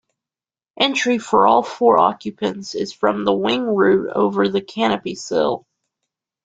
Entry for all four occupants is from the wing root over the canopy sill.